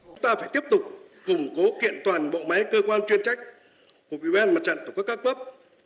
chúng ta phải tiếp tục củng cố kiện toàn bộ máy cơ quan chuyên trách của bn mặt trận của các cấp